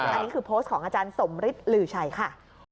อันนี้คือโพสต์ของอาจารย์สมฤทธิหลือชัยค่ะ